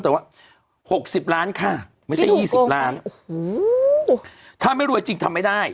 แต่ว่า๖๐ล้านค่ะไม่ใช่๒๐ล้านโอ้โหถ้าไม่รวยจริงทำไม่ได้